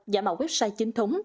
giảm mạo website chính thống